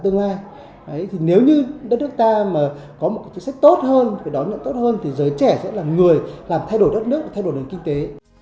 nếu như đất nước ta có một chính sách tốt hơn giới trẻ sẽ là người làm thay đổi đất nước thay đổi nền kinh tế